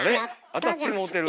当たってもうてる。